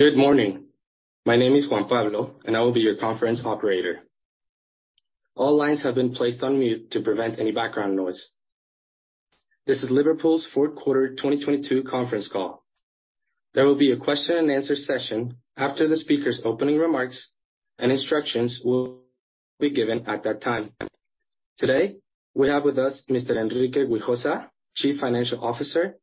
Good morning. My name is Juan Pablo, and I will be your conference operator. All lines have been placed on mute to prevent any background noise. This is Liverpool's 4th quarter 2022 conference call. There will be a question and answer session after the speaker's opening remarks. Instructions will be given at that time. Today, we have with us Mr. Enrique Güijosa, Chief Financial Officer,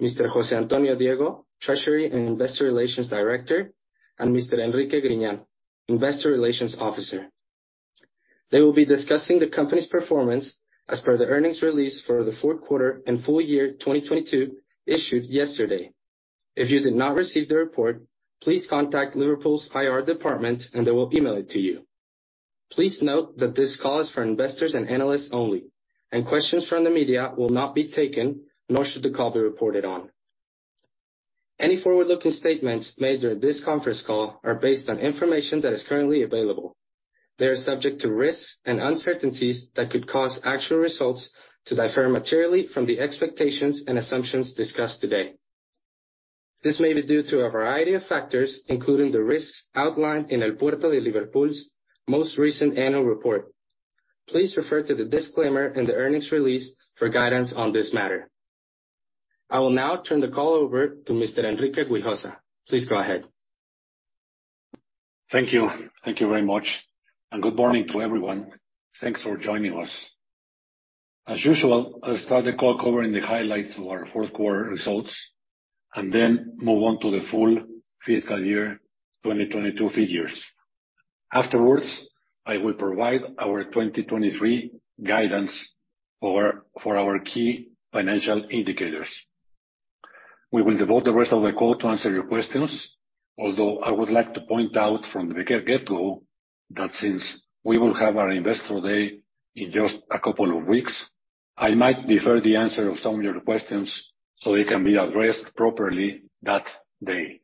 Mr. José Antonio Diego, Treasury and Investor Relations Director, and Mr. Enrique Griñan, Investor Relations Officer. They will be discussing the company's performance as per the earnings release for the 4th quarter and full year 2022 issued yesterday. If you did not receive the report, please contact Liverpool's IR department and they will email it to you. Please note that this call is for investors and analysts only, and questions from the media will not be taken, nor should the call be reported on. Any forward-looking statements made during this conference call are based on information that is currently available. They are subject to risks and uncertainties that could cause actual results to differ materially from the expectations and assumptions discussed today. This may be due to a variety of factors, including the risks outlined in El Puerto de Liverpool's most recent annual report. Please refer to the disclaimer in the earnings release for guidance on this matter. I will now turn the call over to Mr. Enrique Güijosa. Please go ahead. Thank you. Thank you very much. Good morning to everyone. Thanks for joining us. As usual, I'll start the call covering the highlights of our fourth quarter results, and then move on to the full fiscal year 2022 figures. Afterwards, I will provide our 2023 guidance for our key financial indicators. We will devote the rest of the call to answer your questions, although I would like to point out from the get go that since we will have our investor day in just a couple of weeks, I might defer the answer of some of your questions so they can be addressed properly that day.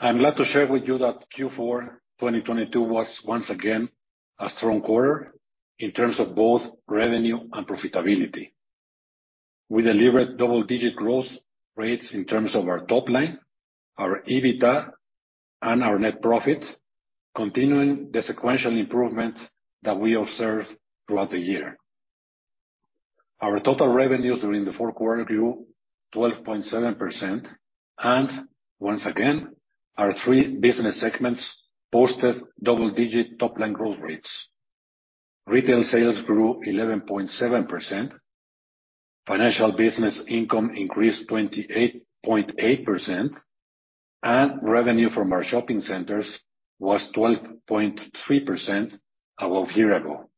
I'm glad to share with you that Q4 2022 was once again a strong quarter in terms of both revenue and profitability. We delivered double-digit growth rates in terms of our top line, our EBITDA, and our net profit, continuing the sequential improvement that we observed throughout the year. Our total revenues during the fourth quarter grew 12.7%. Once again, our three business segments posted double-digit top line growth rates. Retail sales grew 11.7%, financial business income increased 28.8%, revenue from our shopping centers was 12.3% above year ago.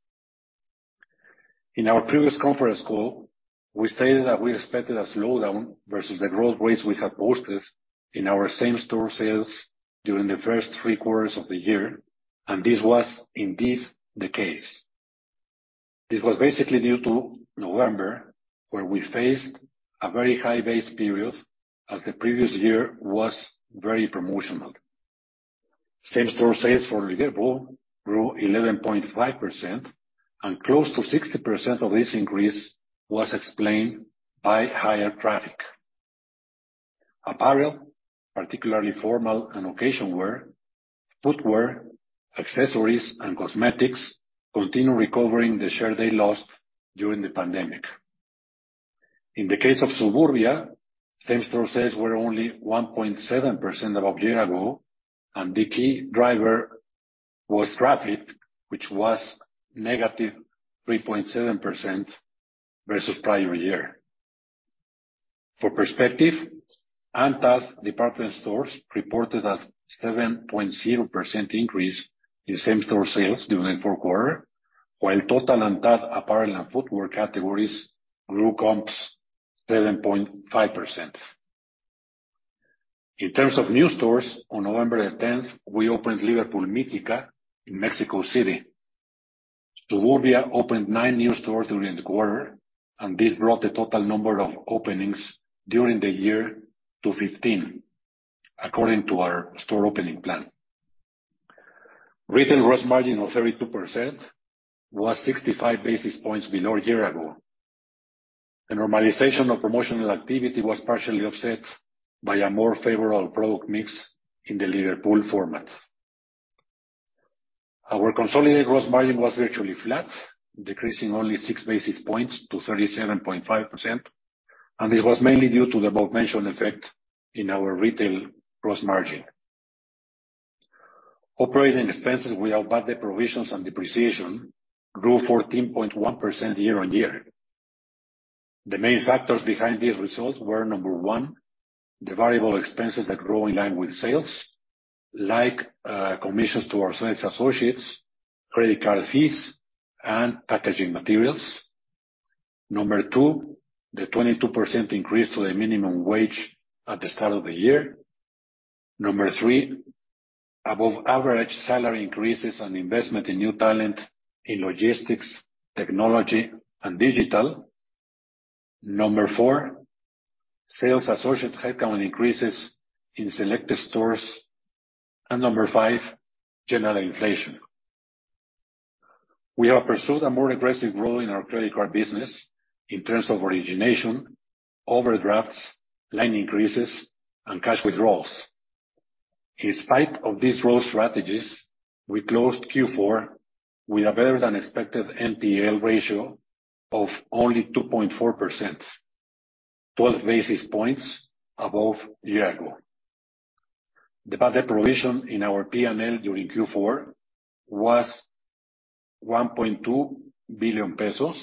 In our previous conference call, we stated that we expected a slowdown versus the growth rates we have posted in our same-store sales during the first three quarters of the year. This was indeed the case. This was basically due to November, where we faced a very high base period as the previous year was very promotional. Same-store sales for Liverpool grew 11.5%. Close to 60% of this increase was explained by higher traffic. Apparel, particularly formal and occasion wear, footwear, accessories, and cosmetics continue recovering the share they lost during the pandemic. In the case of Suburbia, same-store sales were only 1.7% above year ago. The key driver was traffic, which was -3.7% versus prior year. For perspective, ANTAD's department stores reported a 7.0% increase in same-store sales during the fourth quarter, while total ANTAD apparel and footwear categories grew comps 7.5%. In terms of new stores, on November 10th, we opened Liverpool Mexicana in Mexico City. Suburbia opened 9 new stores during the quarter. This brought the total number of openings during the year to 15, according to our store opening plan. Retail gross margin of 32% was 65 basis points below year ago. The normalization of promotional activity was partially offset by a more favorable product mix in the Liverpool format. Our consolidated gross margin was virtually flat, decreasing only six basis points to 37.5%. This was mainly due to the above-mentioned effect in our retail gross margin. Operating expenses without bad debt provisions and depreciation grew 14.1% year-on-year. The main factors behind these results were, number one, the variable expenses that grow in line with sales, like commissions to our sales associates, credit card fees, and packaging materials. Number two, the 22% increase to the minimum wage at the start of the year. Number 3, above average salary increases on investment in new talent in logistics, technology, and digital. Number four, sales associate headcount increases in selected stores. Number five, general inflation. We have pursued a more aggressive role in our credit card business in terms of origination, overdrafts, line increases, and cash withdrawals. In spite of these role strategies, we closed Q4 with a better than expected NPL ratio of only 2.4%, 12 basis points above year ago. The bad debt provision in our PNL during Q4 was 1.2 billion pesos,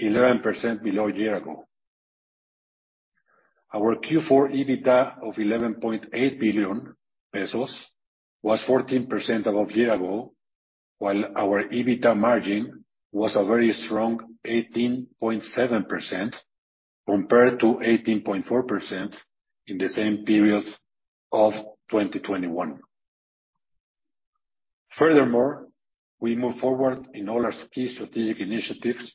11% below a year ago. Our Q4 EBITDA of 11.8 billion pesos was 14% above year ago, while our EBITDA margin was a very strong 18.7% compared to 18.4% in the same period of 2021. Furthermore, we move forward in all our key strategic initiatives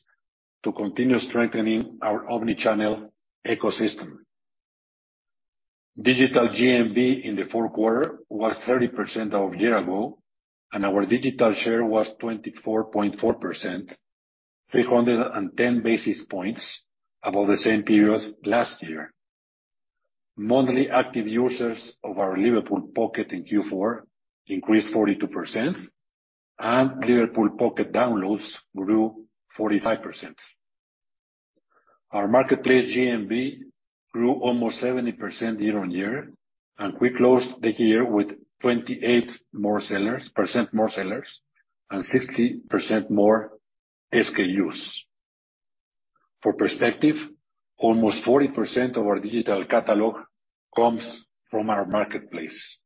to continue strengthening our omnichannel ecosystem. Digital GMV in the fourth quarter was 30% of year ago, and our digital share was 24.4%, 310 basis points above the same period last year. Monthly active users of our Liverpool Pocket in Q4 increased 42%, and Liverpool Pocket downloads grew 45%. Our marketplace GMV grew almost 70% year on year, and we closed the year with 28 more sellers, percent more sellers and 60% more SKUs. For perspective, almost 40% of our digital catalog comes from our marketplace.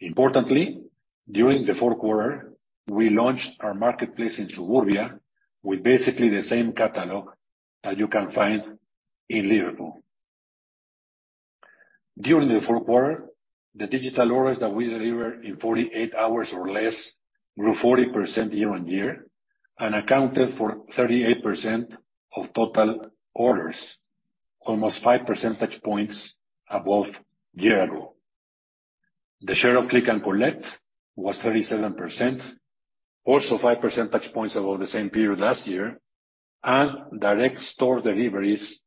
Importantly, during the fourth quarter, we launched our marketplace in Suburbia with basically the same catalog that you can find in Liverpool. During the fourth quarter, the digital orders that we delivered in 48 hours or less grew 40% year on year and accounted for 38% of total orders, almost five percentage points above year ago. The share of Click & Collect was 37%, also five percentage points above the same period last year, and direct store deliveries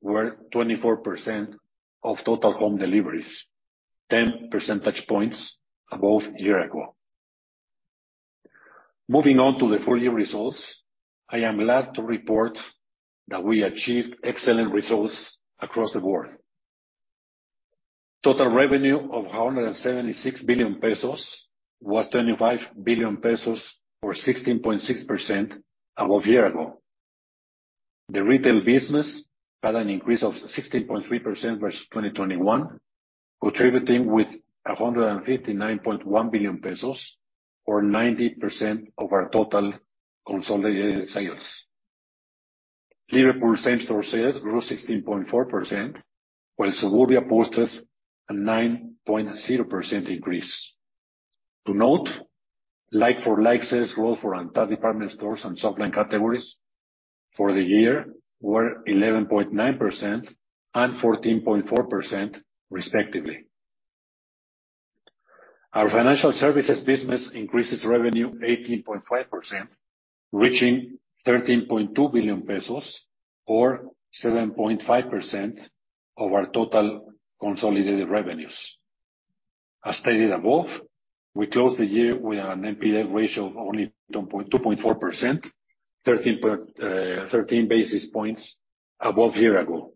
were 24% of total home deliveries, 10 percentage points above year ago. Moving on to the full year results, I am glad to report that we achieved excellent results across the board. Total revenue of 176 billion pesos was 25 billion pesos, or 16.6% above year ago. The retail business had an increase of 16.3% versus 2021, contributing with 159.1 billion pesos, or 90% of our total consolidated sales. Liverpool same store sales grew 16.4%, while Suburbia posted a 9.0% increase. To note, like-for-like sales growth for ANTAD department stores and softline categories for the year were 11.9% and 14.4% respectively. Our financial services business increases revenue 18.5%, reaching 13.2 billion pesos or 7.5% of our total consolidated revenues. As stated above, we closed the year with an NPL ratio of only 2.4%, 13 basis points above year ago.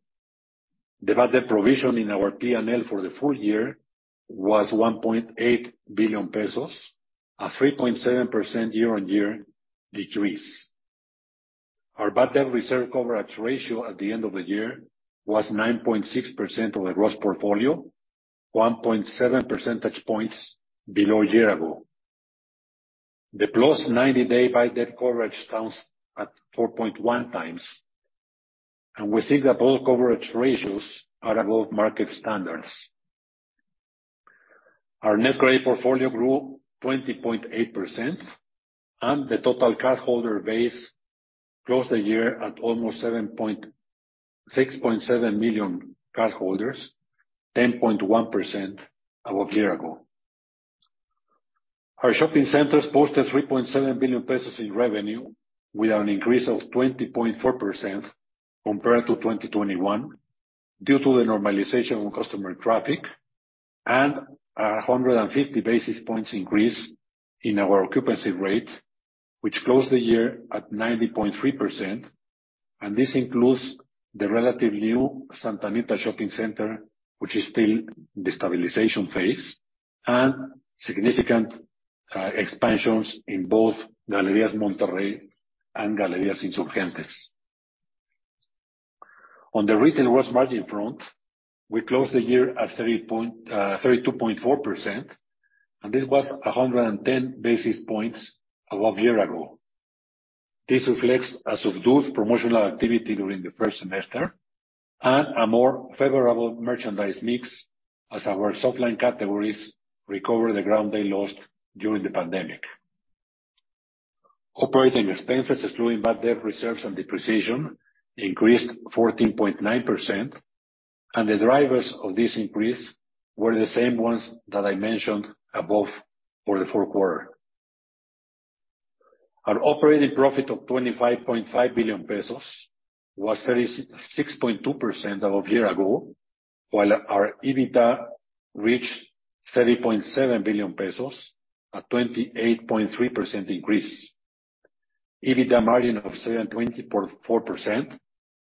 The bad debt provision in our PNL for the full year was 1.8 billion pesos, a 3.7% year-over-year decrease. Our bad debt reserve coverage ratio at the end of the year was 9.6% of the gross portfolio, 1.7 percentage points below a year ago. The plus 90-day bad debt coverage stands at 4.1 times, and we think that both coverage ratios are above market standards. Our net credit portfolio grew 20.8%, and the total cardholder base closed the year at almost 6.7 million cardholders, 10.1% above a year ago. Our shopping centers posted 3.7 billion pesos in revenue, with an increase of 20.4% compared to 2021 due to the normalization of customer traffic and 150 basis points increase in our occupancy rate, which closed the year at 90.3%. This includes the relatively new Santa Anita Shopping Center, which is still in the stabilization phase, and significant expansions in both Galerías Monterrey and Galerías Insurgentes. On the retail gross margin front, we closed the year at 32.4%, and this was 110 basis points above a year ago. This reflects a subdued promotional activity during the first semester and a more favorable merchandise mix as our softline categories recover the ground they lost during the pandemic. Operating expenses, excluding bad debt reserves and depreciation, increased 14.9%. The drivers of this increase were the same ones that I mentioned above for the fourth quarter. Our operating profit of 25.5 billion pesos was 36.2% above a year ago, while our EBITDA reached 30.7 billion pesos, a 28.3% increase. EBITDA margin of 7.4%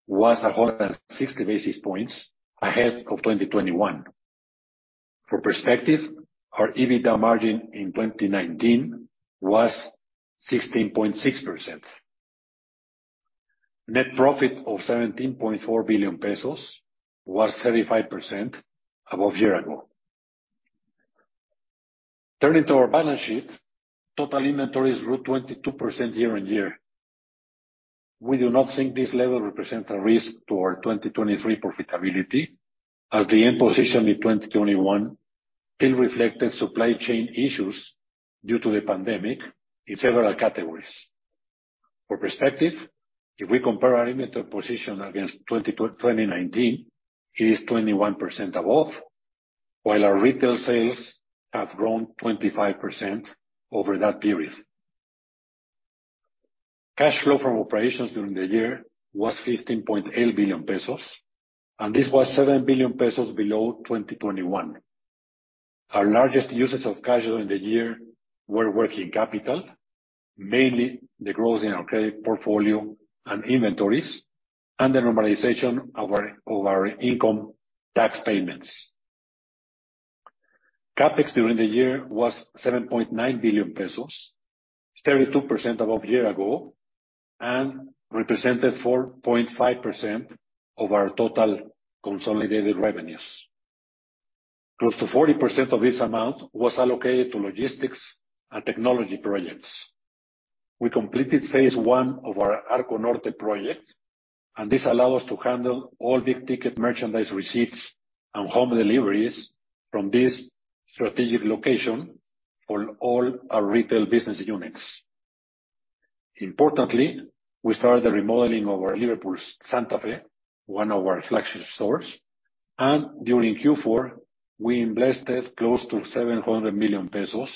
was 160 basis points ahead of 2021. For perspective, our EBITDA margin in 2019 was 16.6%. Net profit of 17.4 billion pesos was 35% above a year ago. Turning to our balance sheet, total inventories grew 22% year-on-year. We do not think this level represents a risk to our 2023 profitability as the end position in 2021 still reflected supply chain issues due to the pandemic in several categories. For perspective, if we compare our inventory position against 2019, it is 21% above, while our retail sales have grown 25% over that period. Cash flow from operations during the year was 15.8 billion pesos, this was 7 billion pesos below 2021. Our largest uses of cash flow in the year were working capital, mainly the growth in our credit portfolio and inventories, and the normalization of our income tax payments. CapEx during the year was 7.9 billion pesos, 32% above a year ago, and represented 4.5% of our total consolidated revenues. Close to 40% of this amount was allocated to logistics and technology projects. We completed phase 1 of our Arco Norte project, this allow us to handle all big-ticket merchandise receipts and home deliveries from this strategic location for all our retail business units. Importantly, we started the remodeling of our Liverpool Santa Fe, one of our flagship stores. During Q4, we invested close to 700 million pesos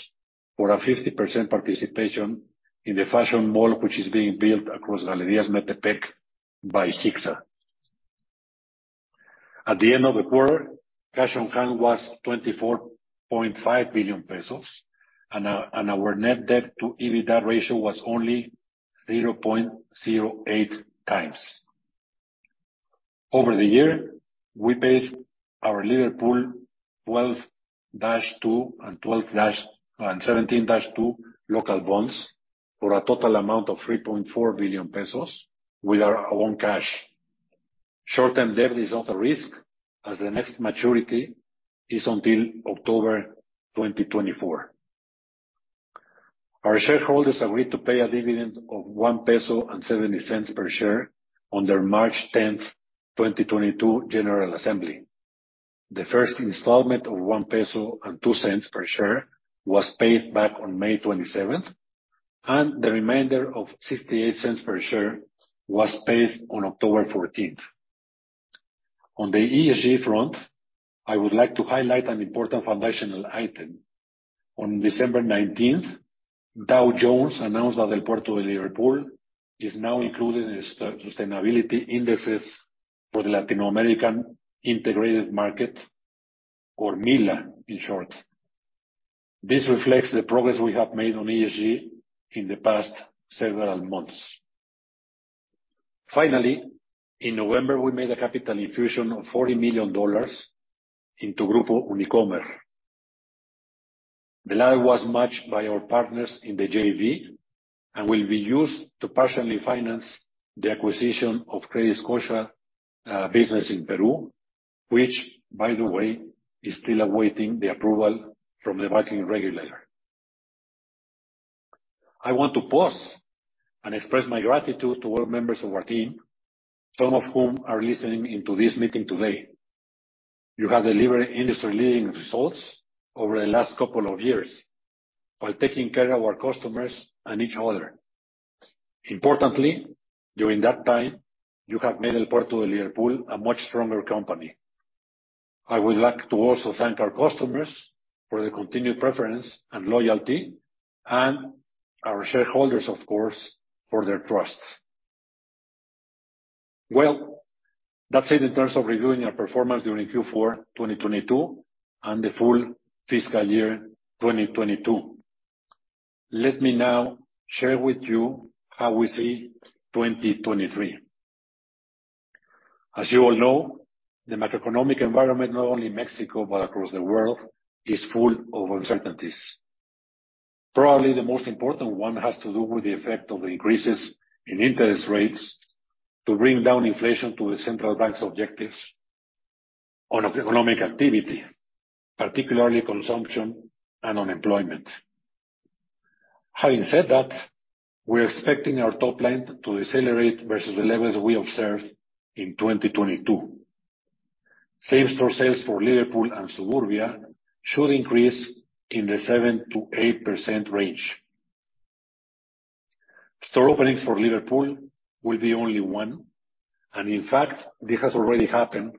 for a 50% participation in the Fashion Mall, which is being built across Galerías Metepec by GICSA. At the end of the quarter, cash on hand was 24.5 billion pesos, and our net debt to EBITDA ratio was only 0.08 times. Over the year, we paid our LIVERPOL 12-2 and LIVERPOL 17-2 local bonds for a total amount of 3.4 billion pesos with our own cash. Short-term debt is not a risk as the next maturity is until October 2024. Our shareholders agreed to pay a dividend of 1.70 peso per share on their March 10, 2022 general assembly. The first installment of 1.02 peso per share was paid back on May 27, and the remainder of 0.68 per share was paid on October 14. On the ESG front, I would like to highlight an important foundational item. On December 19th, Dow Jones announced that El Puerto de Liverpool is now included in the sustainability indexes for the Latin American integrated market, or MILA in short. This reflects the progress we have made on ESG in the past several months. In November, we made a capital infusion of $40 million into Grupo Unicomer. The loan was matched by our partners in the JV and will be used to partially finance the acquisition of CrediScotia business in Peru, which, by the way, is still awaiting the approval from the banking regulator. I want to pause and express my gratitude to all members of our team, some of whom are listening into this meeting today. You have delivered industry leading results over the last couple of years while taking care of our customers and each other. Importantly, during that time, you have made El Puerto de Liverpool a much stronger company. I would like to also thank our customers for their continued preference and loyalty, and our shareholders, of course, for their trust. That's it in terms of reviewing our performance during Q4 2022 and the full fiscal year 2022. Let me now share with you how we see 2023. As you all know, the macroeconomic environment, not only in Mexico but across the world, is full of uncertainties. Probably the most important one has to do with the effect of the increases in interest rates to bring down inflation to the central bank's objectives on economic activity, particularly consumption and unemployment. Having said that, we're expecting our top line to accelerate versus the levels we observed in 2022. Same-store sales for Liverpool and Suburbia should increase in the 7%-8% range. Store openings for Liverpool will be only one. In fact, this has already happened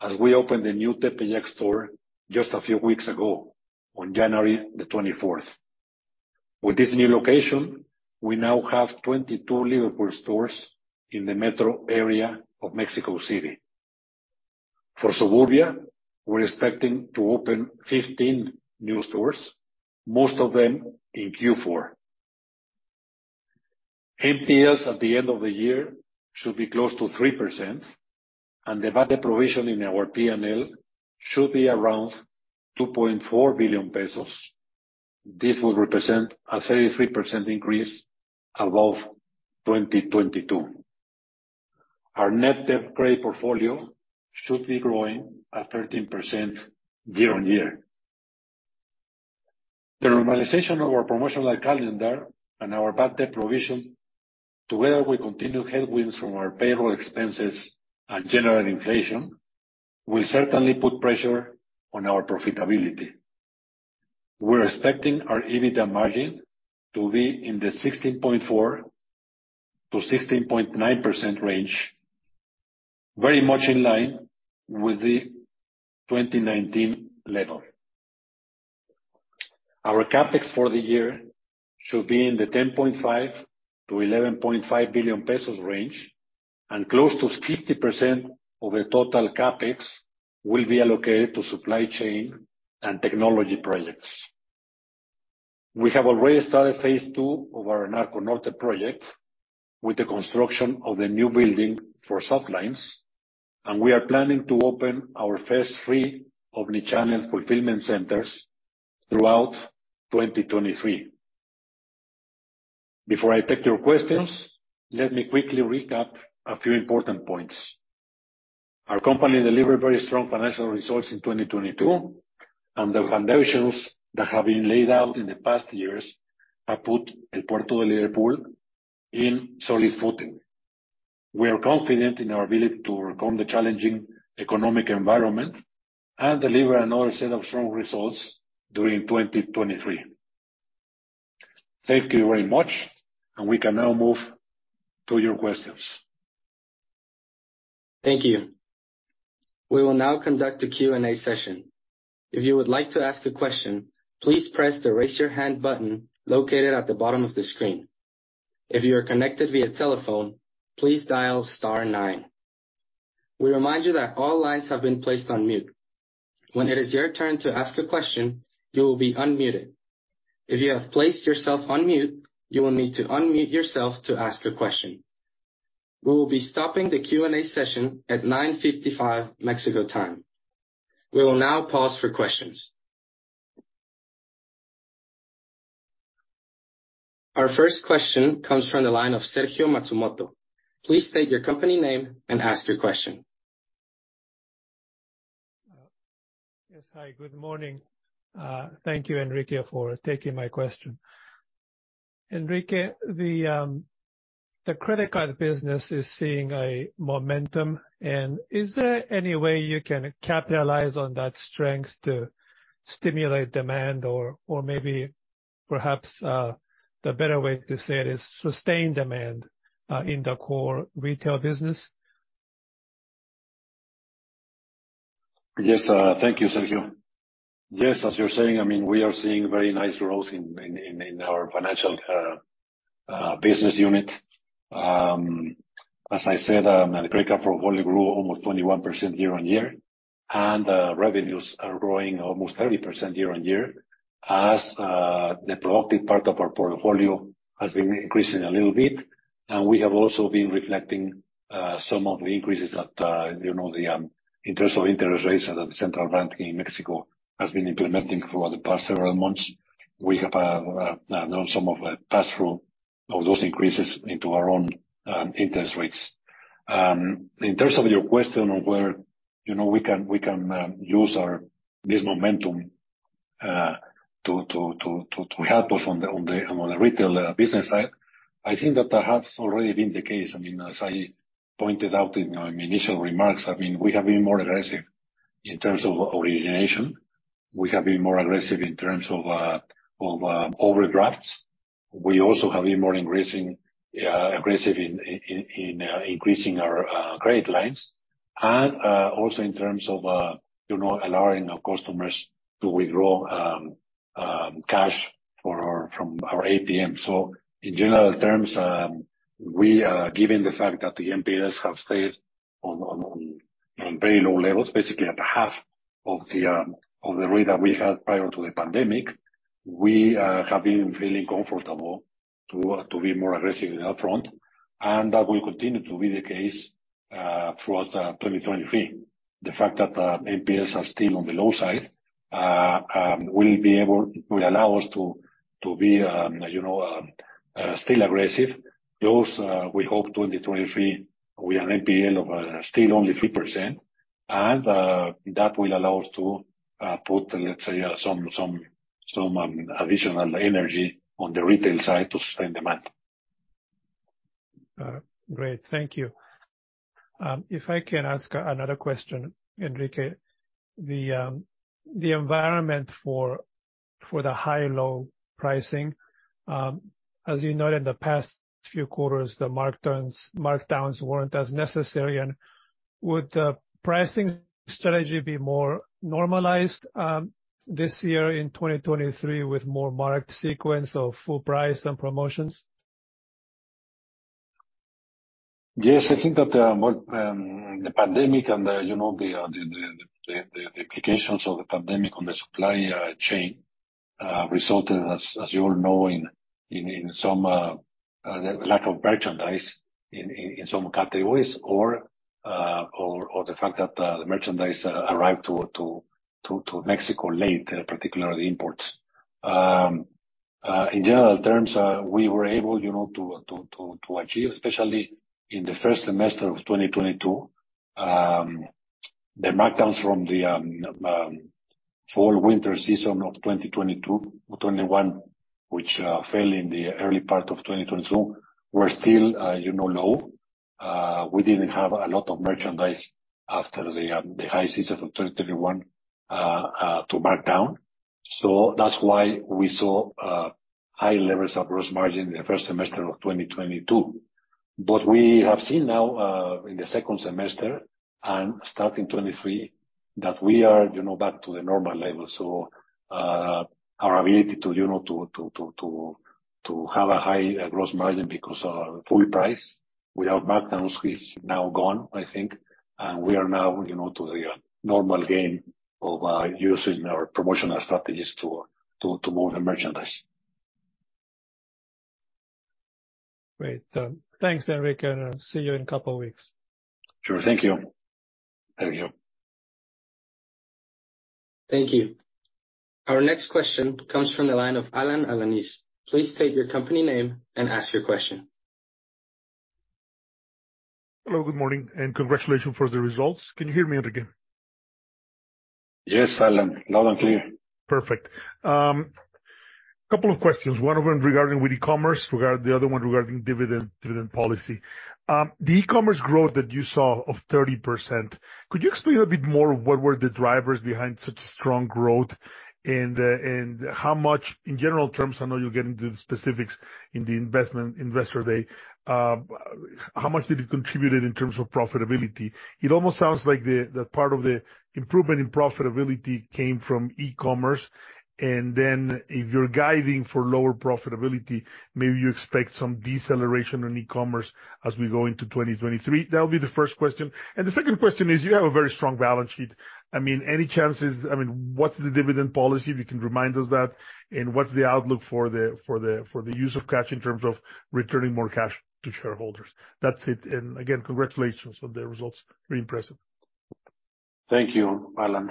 as we opened a new Tepic store just a few weeks ago on January 24th. With this new location, we now have 22 Liverpool stores in the metro area of Mexico City. For Suburbia, we're expecting to open 15 new stores, most of them in Q4. NPLs at the end of the year should be close to 3%, and the bad debt provision in our P&L should be around 2.4 billion pesos. This will represent a 33% increase above 2022. Our net debt grade portfolio should be growing at 13% year-on-year. The normalization of our promotional calendar and our bad debt provision, together with continued headwinds from our payroll expenses and general inflation, will certainly put pressure on our profitability. We're expecting our EBITDA margin to be in the 16.4%-16.9% range, very much in line with the 2019 level. Our CapEx for the year should be in the 10.5 billion-11.5 billion pesos range, and close to 50% of the total CapEx will be allocated to supply chain and technology projects. We have already started phase two of our Arco Norte project with the construction of the new building for softlines, and we are planning to open our first three omnichannel fulfillment centers throughout 2023. Before I take your questions, let me quickly recap a few important points. Our company delivered very strong financial results in 2022, and the foundations that have been laid out in the past years have put El Puerto de Liverpool in solid footing. We are confident in our ability to overcome the challenging economic environment and deliver another set of strong results during 2023. Thank you very much, and we can now move to your questions. Thank you. We will now conduct a Q&A session. If you would like to ask a question, please press the Raise Your Hand button located at the bottom of the screen. If you are connected via telephone, please dial star nine. We remind you that all lines have been placed on mute. When it is your turn to ask a question, you will be unmuted. If you have placed yourself on mute, you will need to unmute yourself to ask a question. We will be stopping the Q&A session at 9:55 Mexico time. We will now pause for questions. Our first question comes from the line of Sergio Matsumoto. Please state your company name and ask your question. Yes. Hi, good morning. Thank you, Enrique, for taking my question. Enrique, the credit card business is seeing a momentum. Is there any way you can capitalize on that strength to stimulate demand or maybe perhaps, the better way to say it is sustain demand, in the core retail business? Yes. Thank you, Sergio. Yes. As you're saying, I mean, we are seeing very nice growth in our financial business unit. As I said, the credit card portfolio grew almost 21% year-over-year, revenues are growing almost 30% year-over-year as the proactive part of our portfolio has been increasing a little bit. We have also been reflecting some of the increases that, you know, the interest of interest rates that the central bank in Mexico has been implementing throughout the past several months. We have known some of the pass-through of those increases into our own interest rates. In terms of your question on whether, you know, we can use our, this momentum to help us on the retail business side, I think that has already been the case. I mean, as I pointed out in my initial remarks, I mean, we have been more aggressive in terms of origination. We have been more aggressive in terms of overdrafts. We also have been aggressive in increasing our credit lines and also in terms of, you know, allowing our customers to withdraw cash from our ATM. In general terms, we, given the fact that the NPLs have stayed on very low levels, basically at the half of the rate that we had prior to the pandemic, we have been feeling comfortable to be more aggressive in our front. That will continue to be the case throughout 2023. The fact that NPLs are still on the low side will allow us to be, you know, still aggressive. We hope 2023, with an NPL of still only 3%. That will allow us to put, let's say, some additional energy on the retail side to sustain demand. Great. Thank you. If I can ask another question, Enrique. The, the environment for the high-low pricing, as you know, in the past few quarters, the markdowns weren't as necessary. Would the pricing strategy be more normalized, this year in 2023 with more marked sequence of full price and promotions? Yes. I think that, well, the pandemic and the, you know, the applications of the pandemic on the supply chain resulted, as you're knowing, in some lack of merchandise in some categories or the fact that the merchandise arrived to Mexico late, particularly imports. In general terms, we were able, you know, to achieve, especially in the first semester of 2022, the markdowns from the fall/winter season of 2022, 2021, which fell in the early part of 2022, were still, you know, low. We didn't have a lot of merchandise after the high season of 2021 to mark down. That's why we saw high levels of gross margin in the first semester of 2022. We have seen now in the second semester and starting 2023, that we are, you know, back to the normal level. Our ability to, you know, to have a high gross margin because our full price, we have markdowns is now gone, I think, and we are now, you know, to the normal game of using our promotional strategies to move the merchandise. Great. Thanks, Enrique. I'll see you in a couple of weeks. Sure. Thank you. Thank you. Thank you. Our next question comes from the line of Alan Alanis. Please state your company name and ask your question. Hello, good morning, and congratulations for the results. Can you hear me again? Yes, Alan. Loud and clear. Perfect. Couple of questions. One of them regarding with e-commerce, the other one regarding dividend policy. The e-commerce growth that you saw of 30%, could you explain a bit more what were the drivers behind such strong growth and how much... In general terms, I know you'll get into the specifics in the Investor Day. How much did it contribute in terms of profitability? It almost sounds like the part of the improvement in profitability came from e-commerce. If you're guiding for lower profitability, maybe you expect some deceleration on e-commerce as we go into 2023. That'll be the first question. The second question is you have a very strong balance sheet. I mean, what's the dividend policy, if you can remind us that, and what's the outlook for the use of cash in terms of returning more cash to shareholders? That's it. Again, congratulations on the results. Very impressive. Thank you, Alan.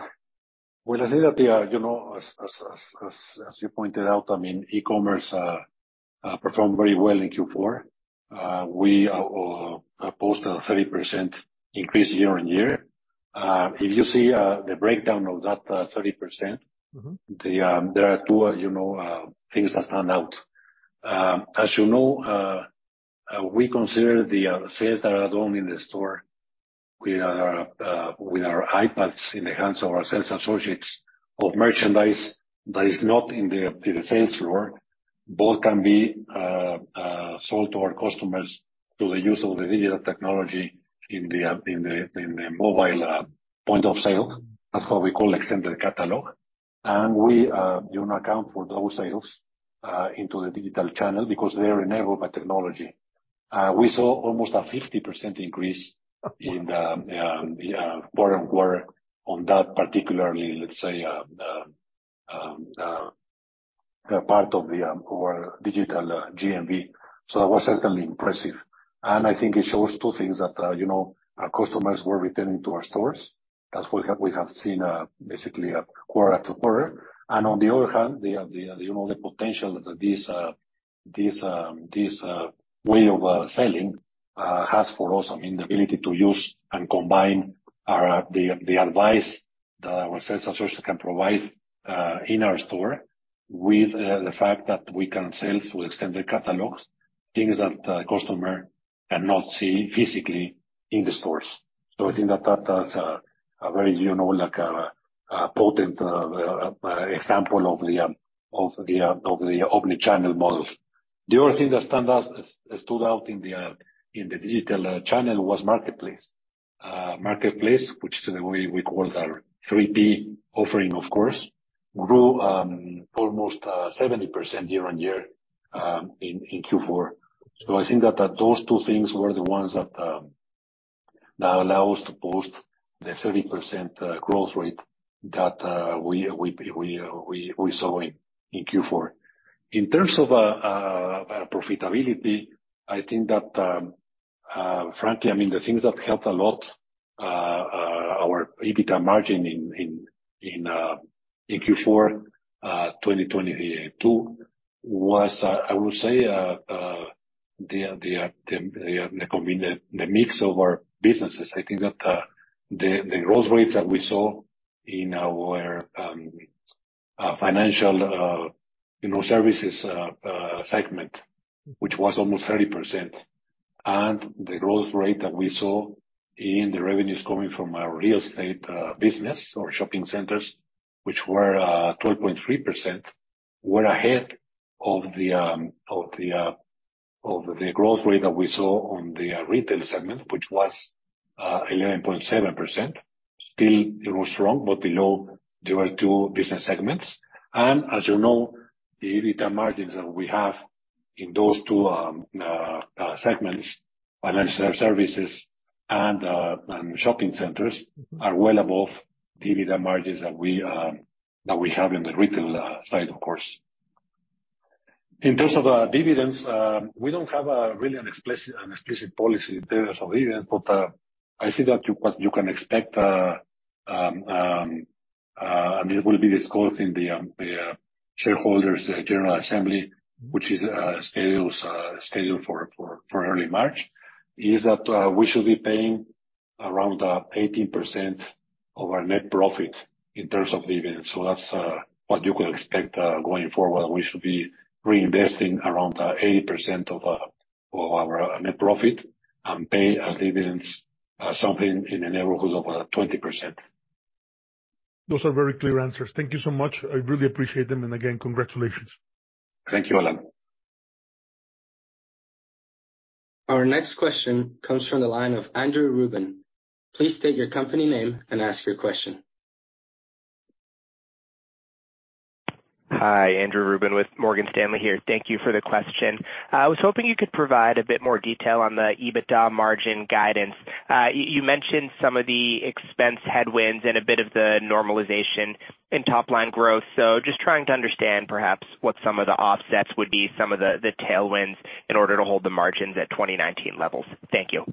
When I say that, you know, as you pointed out, I mean, e-commerce performed very well in Q4. We post a 30% increase year-on-year. If you see the breakdown of that 30%. Mm-hmm. There are two, you know, things that stand out. As you know, we consider the sales that are done in the store with our with our iPads in the hands of our sales associates of merchandise that is not in the sales floor, both can be sold to our customers through the use of the digital technology in the in the in the mobile point of sale. That's what we call extended catalog. We, you know, account for those sales into the digital channel because they are enabled by technology. We saw almost a 50% increase in the quarter-on-quarter on that particularly, let's say, part of the our digital GMV. That was certainly impressive. I think it shows two things that, you know, our customers were returning to our stores, as we have seen basically quarter after quarter. On the other hand, the, you know, the potential that this way of selling has for us. I mean, the ability to use and combine the advice that our sales associates can provide in our store with the fact that we can sell through extended catalogs, things that the customer cannot see physically in the stores. I think that that is a very, you know, like, potent example of the of the omnichannel model. The other thing that stood out in the digital channel was marketplace. Marketplace, which is the way we call our 3P offering, of course, grew almost 70% year-on-year in Q4. I think that those two things were the ones that allow us to post the 30% growth rate that we saw in Q4. In terms of profitability, I think that frankly, I mean, the things that helped a lot our EBITDA margin in Q4 2022 was, I would say, the mix of our businesses. I think that the growth rates that we saw in our financial services segment, which was almost 30%, and the growth rate that we saw in the revenues coming from our real estate business or shopping centers, which were 12.3%, were ahead of the growth rate that we saw on the retail segment, which was 11.7%. Still it was strong, but below the other two business segments. As you know, the EBITDA margins that we have in those two segments, financial services and shopping centers, are well above the EBITDA margins that we have in the retail side, of course. In terms of dividends, we don't have a really an explicit policy in terms of dividend, but I see that you, what you can expect, I mean, it will be discussed in the shareholders', the general assembly, which is scheduled for early March. Is that we should be paying around 80% of our net profit in terms of dividends. That's what you can expect going forward. We should be reinvesting around 80% of our net profit and pay as dividends something in the neighborhood of 20%. Those are very clear answers. Thank you so much. I really appreciate them. Again, congratulations. Thank you, Alan. Our next question comes from the line of Andrew Ruben. Please state your company name and ask your question. Hi, Andrew Ruben with Morgan Stanley here. Thank you for the question. I was hoping you could provide a bit more detail on the EBITDA margin guidance. You mentioned some of the expense headwinds and a bit of the normalization in top line growth. Just trying to understand perhaps what some of the offsets would be, some of the tailwinds, in order to hold the margins at 2019 levels. Thank you.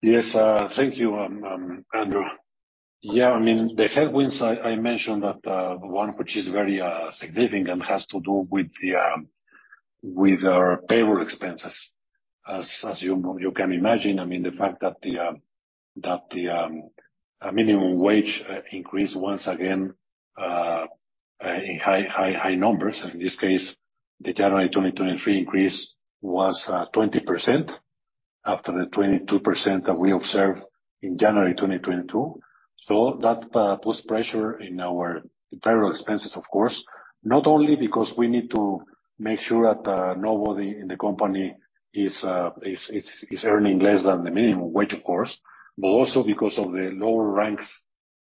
Yes, thank you, Andrew. I mean, the headwinds I mentioned that one which is very significant and has to do with the with our payroll expenses. As you can imagine, the fact that the that the minimum wage increase once again in high numbers. In this case, the January 2023 increase was 20% after the 22% that we observed in January 2022. That puts pressure in our payroll expenses, of course. Not only because we need to make sure that nobody in the company is earning less than the minimum wage, of course, but also because of the lower ranks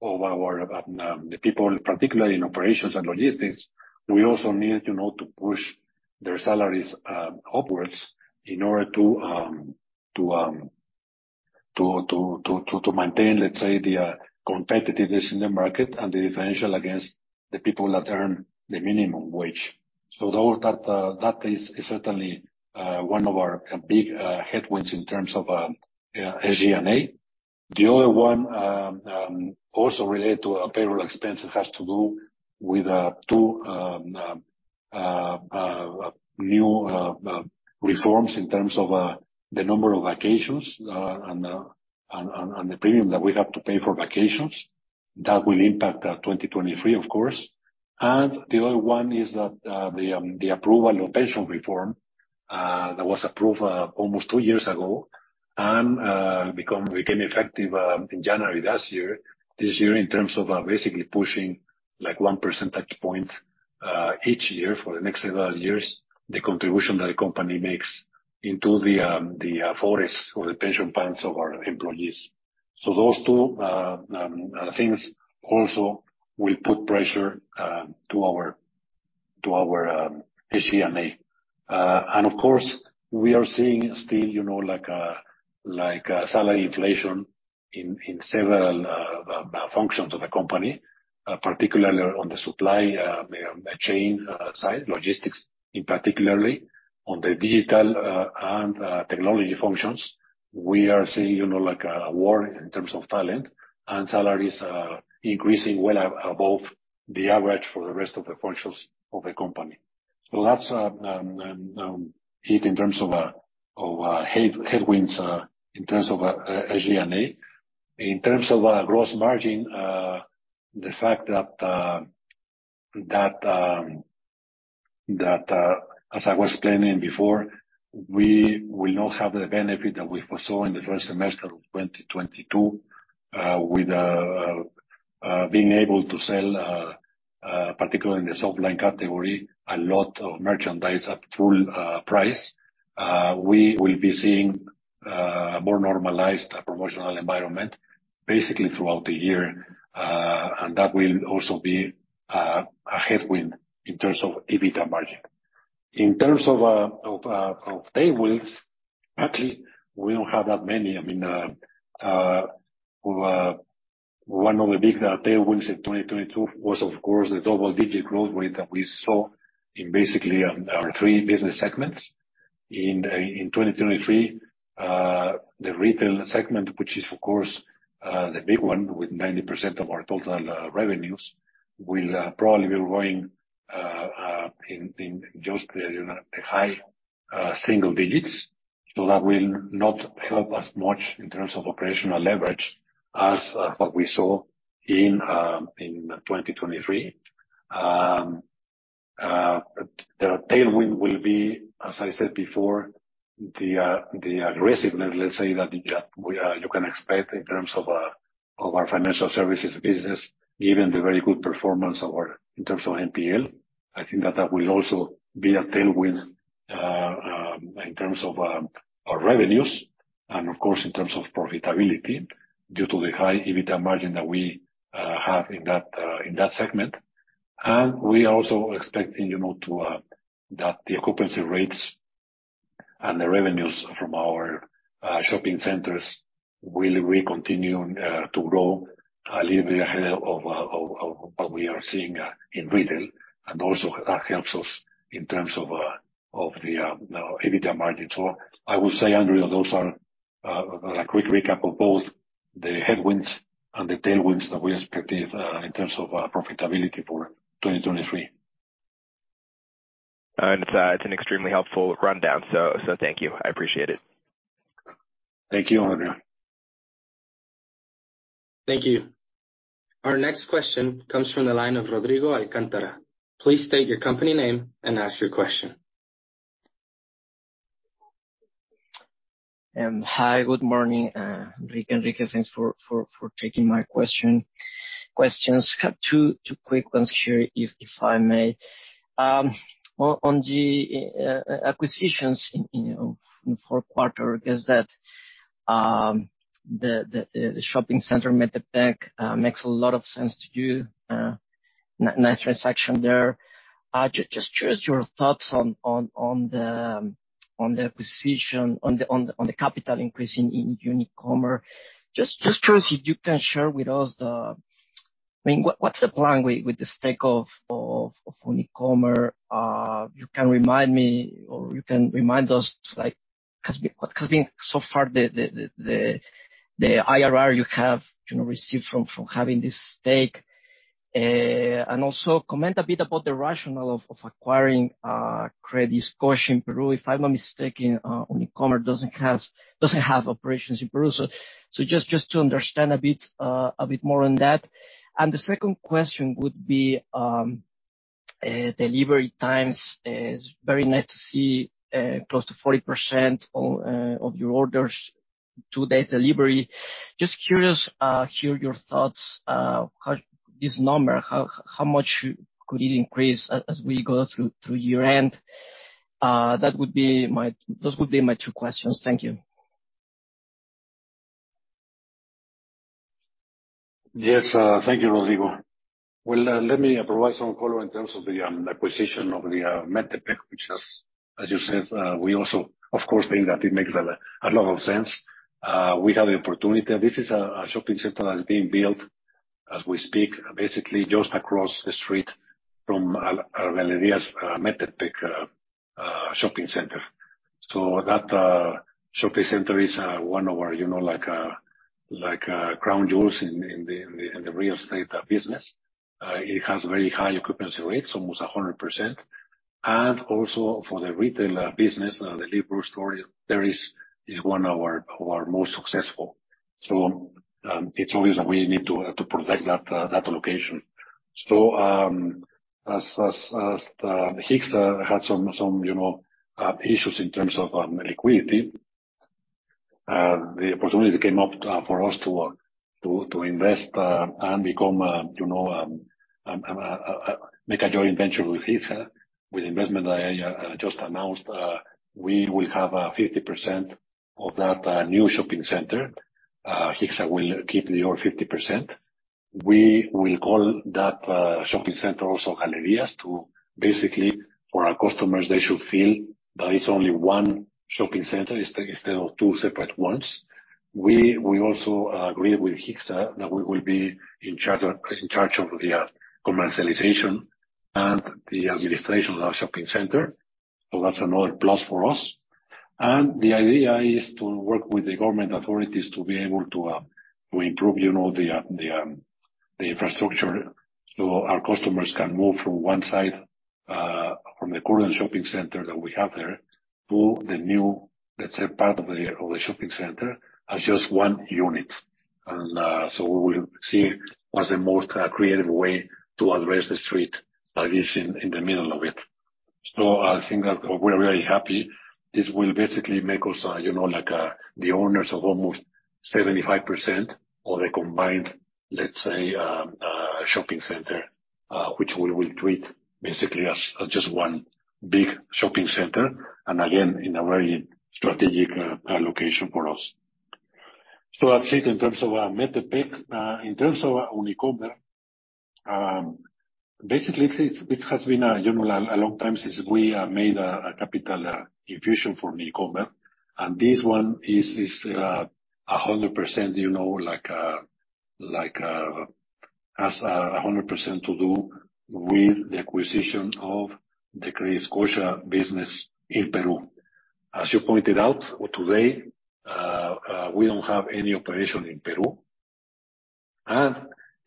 of our the people, particularly in operations and logistics. We also need, you know, to push their salaries upwards in order to maintain, let's say, the competitiveness in the market and the differential against the people that earn the minimum wage. That is certainly one of our big headwinds in terms of SG&A. The other one, also related to our payroll expenses, has to do with two new reforms in terms of the number of vacations and the premium that we have to pay for vacations. That will impact 2023, of course. The other one is that the approval of pension reform that was approved almost two years ago and became effective in January last year, this year, in terms of basically pushing, like, 0nepercentage point each year for the next several years, the contribution that the company makes into the forests or the pension plans of our employees. Those two things also will put pressure to our, to our SG&A. And of course, we are seeing still, you know, like a salary inflation in several functions of the company, particularly on the supply chain side, logistics in particularly. On the digital and technology functions, we are seeing, you know, like a war in terms of talent. Salaries are increasing well above the average for the rest of the functions of the company. That's it in terms of headwinds, in terms of SG&A. In terms of gross margin, the fact that, as I was explaining before, we will not have the benefit that we foresaw in the first semester of 2022, with being able to sell particularly in the softline category, a lot of merchandise at full price. We will be seeing more normalized promotional environment basically throughout the year. That will also be a headwind in terms of EBITDA margin. In terms of tailwinds, actually, we don't have that many. I mean, one of the big tailwinds in 2022 was of course the double-digit growth rate that we saw in basically, our three business segments. In 2023, the retail segment, which is of course, the big one with 90% of our total revenues, will probably be growing in just the, you know, the high single digits. That will not help us much in terms of operational leverage as what we saw in 2023. The tailwind will be, as I said before, the aggressiveness, let's say, that you can expect in terms of our financial services business. Even the very good performance of our in terms of NPL. I think that that will also be a tailwind, in terms of our revenues and of course in terms of profitability due to the high EBITDA margin that we have in that in that segment. We're also expecting, you know, that the occupancy rates and the revenues from our shopping centers will continue to grow a little bit ahead of what we are seeing in retail, and also that helps us in terms of of the, you know, EBITDA margin. I will say, Andrew, those are a quick recap of both the headwinds and the tailwinds that we expect in in terms of profitability for 2023. It's an extremely helpful rundown, so thank you. I appreciate it. Thank you, Andrew. Thank you. Our next question comes from the line of Rodrigo Alcántara. Please state your company name and ask your question. Hi, good morning, Enrique. Thanks for taking my questions. Have two quick ones here, if I may. On the acquisitions in, you know, in the fourth quarter, I guess that the shopping center Metepec makes a lot of sense to do. Nice transaction there. Just curious your thoughts on the acquisition, on the capital increase in Unicomer. Just curious if you can share with us the... I mean, what's the plan with the stake of Unicomer? You can remind me or you can remind us, like, what has been so far the IRR you have, you know, received from having this stake. Also comment a bit about the rationale of acquiring CrediScotia in Peru. If I'm not mistaken, Unicomer doesn't have operations in Peru. Just to understand a bit more on that. The second question would be delivery times. It's very nice to see close to 40% of your orders two days delivery. Just curious, hear your thoughts, how this number, how much could it increase as we go through year-end? Those would be my two questions. Thank you. Yes. Thank you, Rodrigo. Well, let me provide some color in terms of the acquisition of the Metropark, which as you said, we also of course think that it makes a lot of sense. We have the opportunity. This is a shopping center that's being built as we speak, basically just across the street from Galerías Metropark shopping center. That shopping center is one of our, you know, like crown jewels in the real estate business. It has very high occupancy rates, almost 100%. Also for the retail business, the Libra story, there is one of our most successful. It's always we need to protect that location. As Hixse had some, you know, issues in terms of liquidity, the opportunity came up for us to invest and become, you know, make a joint venture with Hixse. With the investment I just announced, we will have 50% of that new shopping center. Hixse will keep the other 50%. We will call that shopping center also Galerías to basically, for our customers, they should feel that it's only one shopping center, instead of two separate ones. We also agreed with Hixse that we will be in charge of the commercialization and the administration of that shopping center. That's another plus for us. The idea is to work with the government authorities to be able to improve the infrastructure, so our customers can move from one side from the current shopping center that we have there, to the new part of the shopping center as just one unit. We will see what's the most creative way to address the street that is in the middle of it. I think that we're very happy. This will basically make us the owners of almost 75% of the combined shopping center, which we will treat basically as just one big shopping center, and again, in a very strategic location for us. That's it in terms of Metropark. In terms of Unicomer, basically it has been a long time since we made a capital infusion for Unicomer. This one is 100%, has 100% to do with the acquisition of the CrediScotia business in Peru. As you pointed out today, we don't have any operation in Peru.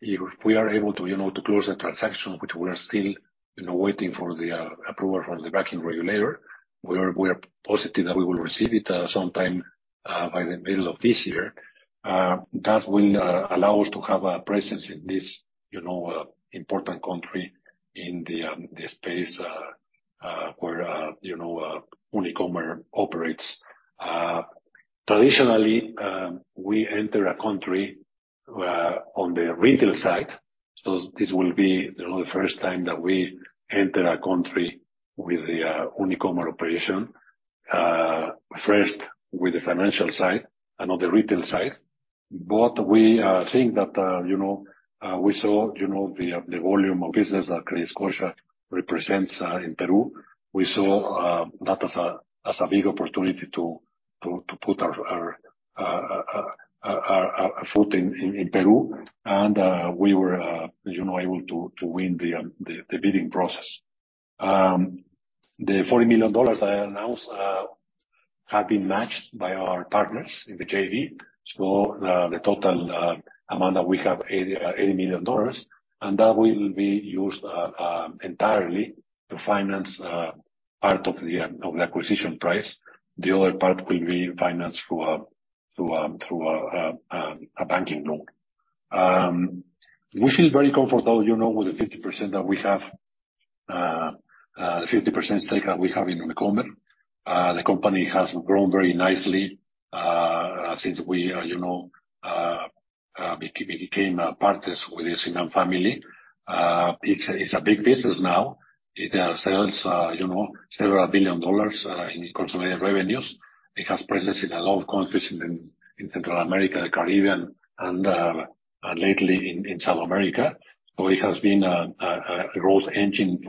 If we are able to close the transaction, which we are still waiting for the approval from the banking regulator, we are positive that we will receive it sometime by the middle of this year. That will allow us to have a presence in this important country in the space where Unicomer operates. Traditionally, we enter a country on the retail side. This will be, you know, the first time that we enter a country with the Unicomer operation, first with the financial side and on the retail side. We are seeing that, you know, we saw, you know, the volume of business that CrediScotia represents in Peru. We saw that as a big opportunity to put our foot in Peru and we were, you know, able to win the bidding process. The $40 million I announced have been matched by our partners in the JV. The total amount that we have, $80 million, that will be used entirely to finance part of the acquisition price. The other part will be financed through a banking loan. We feel very comfortable, you know, with the 50% that we have, the 50% stake that we have in Unicomer. The company has grown very nicely since we, you know, became partners with the Siman family. It's a big business now. It sells, you know, several billion dollars in consolidated revenues. It has presence in a lot of countries in Central America, the Caribbean, lately in South America. It has been a growth engine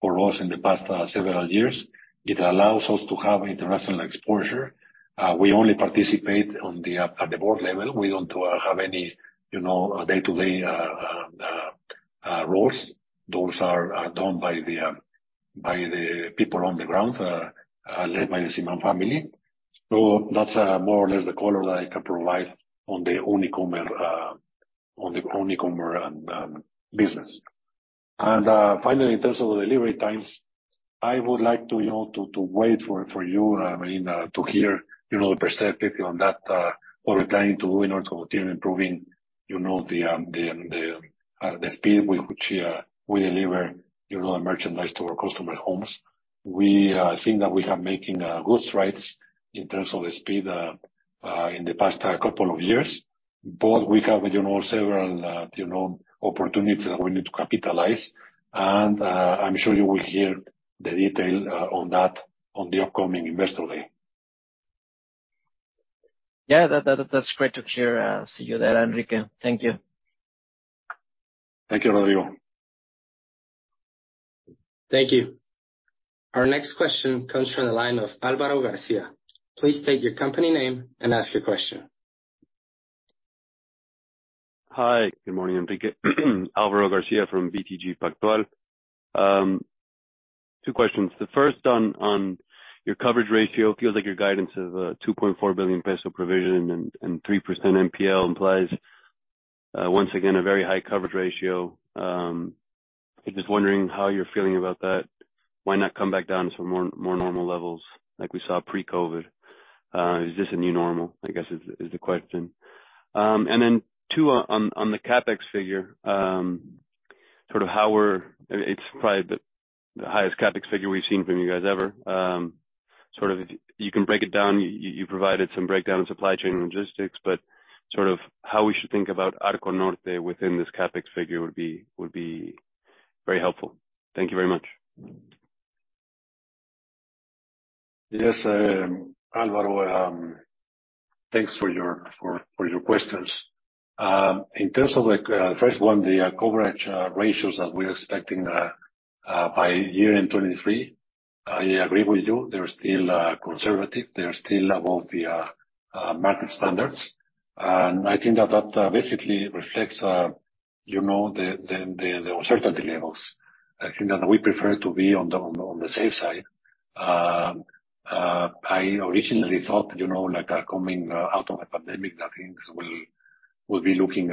for us in the past several years. It allows us to have international exposure. We only participate at the board level. We don't have any, you know, day-to-day roles. Those are done by the people on the ground, led by the Siman family. That's more or less the color that I can provide on the Unicomer, on the Unicomer business. Finally, in terms of the delivery times, I would like to, you know, to wait for you, I mean, to hear, you know, the perspective on that, what we're planning to do in order to continue improving, you know, the speed with which we deliver, you know, the merchandise to our customer homes. We think that we are making good strides in terms of the speed in the past couple of years. We have, you know, several, you know, opportunities that we need to capitalize. I'm sure you will hear the detail on that on the upcoming investor day. Yeah. That's great to hear, see you there, Enrique. Thank you. Thank you, Rodrigo. Thank you. Our next question comes from the line of Alvaro García. Please state your company name and ask your question. Hi, good morning, Enrique. Alvaro Garcia from BTG Pactual. Two questions. The first on your coverage ratio. It feels like your guidance of 2.4 billion peso provision and 3% NPL implies once again a very high coverage ratio. Just wondering how you're feeling about that. Why not come back down to some more normal levels like we saw pre-COVID? Is this a new normal, I guess is the question. Then two, on the CapEx figure, sort of I mean, it's probably the highest CapEx figure we've seen from you guys ever. Sort of if you can break it down, you provided some breakdown in supply chain and logistics, but sort of how we should think about Arco Norte within this CapEx figure would be very helpful. Thank you very much. Yes. Alvaro, thanks for your questions. In terms of the first one, the coverage ratios that we're expecting by year-end 2023, I agree with you. They're still conservative. They're still above the market standards. I think that that basically reflects, you know, the uncertainty levels. I think that we prefer to be on the safe side. I originally thought, you know, like coming out of the pandemic that things will be looking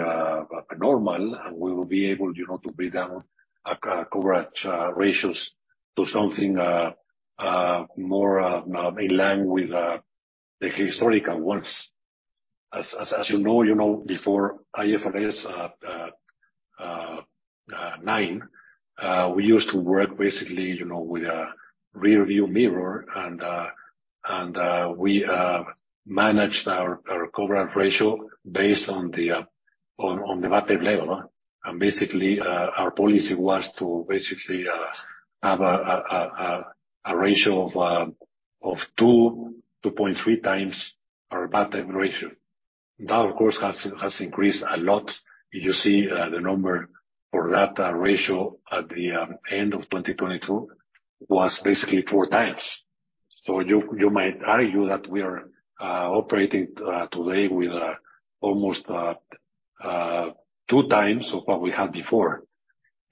normal and we will be able, you know, to bring down our coverage ratios to something more in line with the historical ones. As you know, before IFRS 9, we used to work basically, you know, with a rearview mirror and we managed our coverage ratio based on the bad debt level. Basically, our policy was to basically have a ratio of 2.3 times our bad debt ratio. That of course has increased a lot. You see, the number for that ratio at the end of 2022 was basically four times. You might argue that we are operating today with almost two times of what we had before.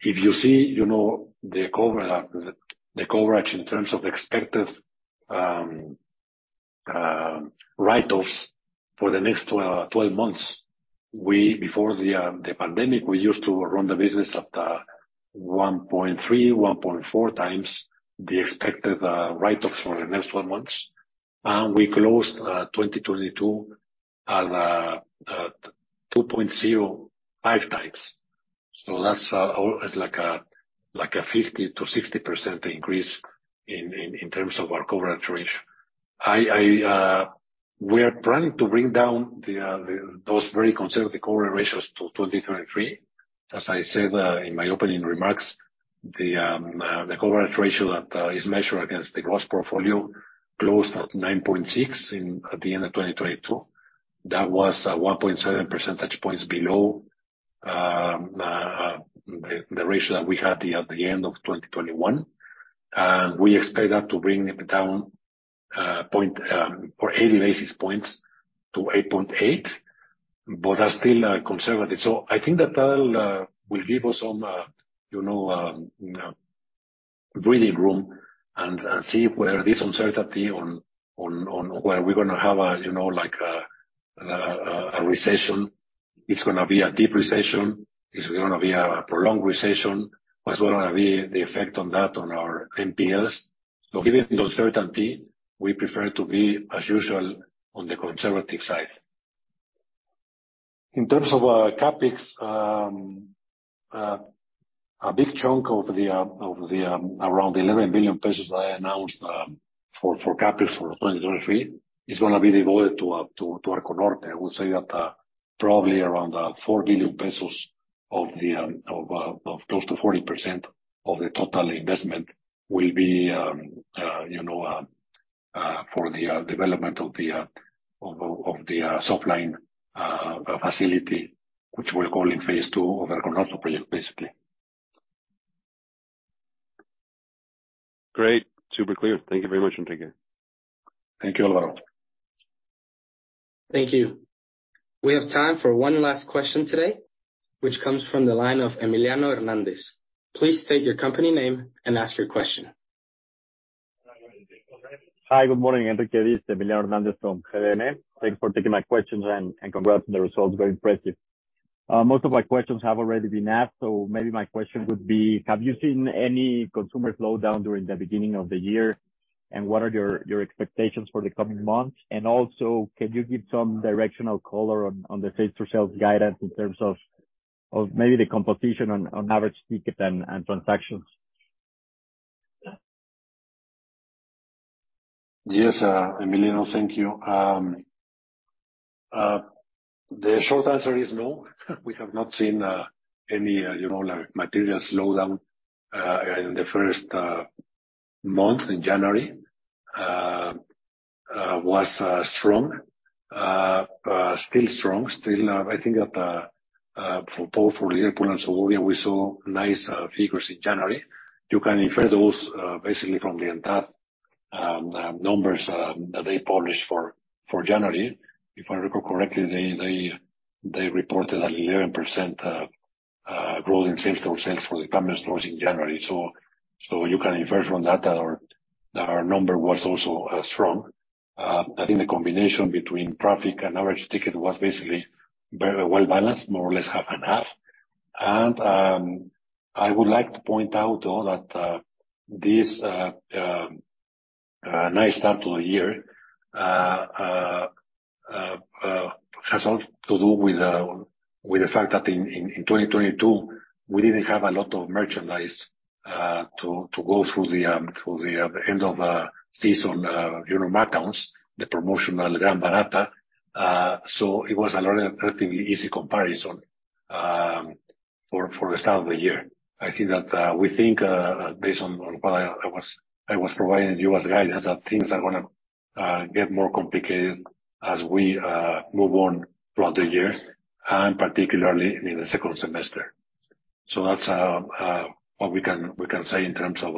If you see, you know, the coverage in terms of expected write-offs for the next 12 months. Before the pandemic, we used to run the business at 1.3, 1.4 times the expected write-offs for the next 12 months. We closed 2022 at 2.05 times. It's like a 50%-60% increase in terms of our coverage ratio. I, we're planning to bring down the those very conservative coverage ratios to 2023. As I said in my opening remarks, the coverage ratio that is measured against the gross portfolio closed at 9.6 at the end of 2022. That was 1.7 percentage points below the ratio that we had at the end of 2021. We expect that to bring it down, point or 80 basis points to 8.8, but are still conservative. I think that that will give us some, you know, breathing room and see where this uncertainty on whether we are going to have a, you know, like a recession, it is going to be a deep recession, it is going to be a prolonged recession. What is going to be the effect on that on our NPLs? Given the uncertainty, we prefer to be, as usual, on the conservative side. In terms of CapEx, a big chunk of the around 11 billion pesos that I announced for CapEx for 2023, is going to be devoted to Arco Norte. I would say that, probably around, 4 billion pesos of close to 40% of the total investment will be, you know, for the development of the supply and facility which we're calling phase 2 of Arco Norte project, basically. Great. Super clear. Thank you very much, Enrique. Thank you, Alvaro. Thank you. We have time for one last question today, which comes from the line of Emiliano Hernández. Please state your company name and ask your question. Hi. Good morning, Enrique. This is Emiliano Hernández from GBM. Thanks for taking my questions, and congrats on the results. Very impressive. Most of my questions have already been asked, so maybe my question would be: Have you seen any consumer slowdown during the beginning of the year, and what are your expectations for the coming months? Also, can you give some directional color on the same-store sales guidance in terms of maybe the composition on average ticket and transactions? Yes, Emiliano. Thank you. The short answer is no. We have not seen any, you know, like material slowdown in the first month in January. Was strong, still strong, still, I think that for both for Liverpool and Suburbia, we saw nice figures in January. You can infer those basically from the entire numbers that they published for January. If I recall correctly, they reported 11% growth in same-store sales for department stores in January. You can infer from that that our number was also strong. I think the combination between traffic and average ticket was basically well-balanced, more or less half and half. I would like to point out, though, that this nice start to the year has a lot to do with the fact that in 2022, we didn't have a lot of merchandise to go through the end-of-season, you know, markdowns, the promotional Gran Barata. It was a lot of relatively easy comparison for the start of the year. I think that we think based on what I was providing you as guidance, that things are gonna get more complicated as we move on throughout the years, and particularly in the second semester. That's what we can say in terms of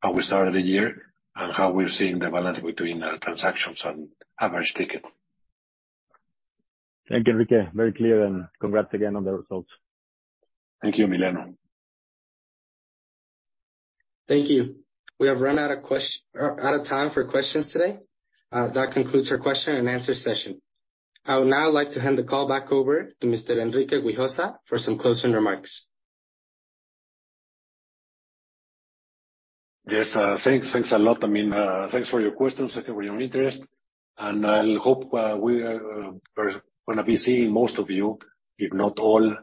how we started the year and how we're seeing the balance between transactions and average ticket. Thank you, Enrique. Very clear, and congrats again on the results. Thank you, Emiliano. Thank you. We have run out of time for questions today. That concludes our question and answer session. I would now like to hand the call back over to Mr. Enrique Güijosa for some closing remarks. Yes. Thanks a lot. I mean, thanks for your questions. Thank you for your interest, and I'll hope we are gonna be seeing most of you, if not all,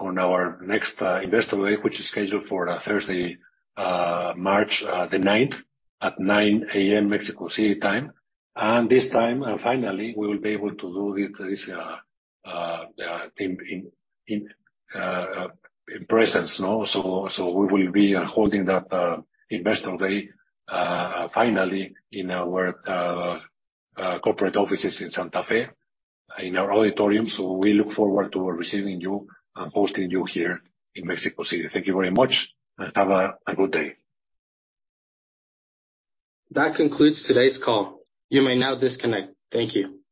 on our next Investor Day, which is scheduled for Thursday, March the 9th at 9:00 A.M. Mexico City time. This time, finally, we will be able to do it this in presence. No? We will be holding that Investor Day finally in our corporate offices in Santa Fe in our auditorium. We look forward to receiving you and hosting you here in Mexico City. Thank you very much and have a good day. That concludes today's call. You may now disconnect. Thank you.